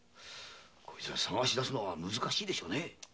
捜し出すのは難しいでしょうね。